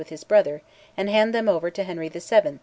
with his brother, and hand them over to Henry VII.